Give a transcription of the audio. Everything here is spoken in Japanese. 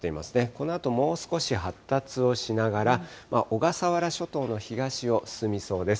このあともう少し発達をしながら、小笠原諸島の東を進みそうです。